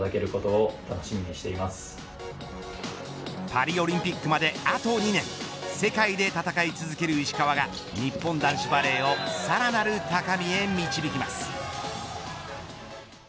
パリオリンピックまであと２年世界で戦い続ける石川が日本男子バレーをさらなる高みへ導きます。